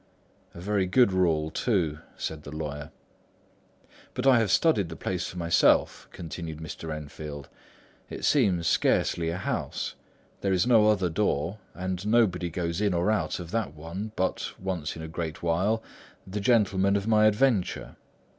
"A very good rule, too," said the lawyer. "But I have studied the place for myself," continued Mr. Enfield. "It seems scarcely a house. There is no other door, and nobody goes in or out of that one but, once in a great while, the gentleman of my adventure.